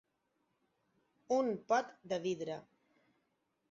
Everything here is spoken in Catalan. Un pot de vidre.